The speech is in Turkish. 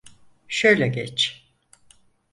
Şöyle geç.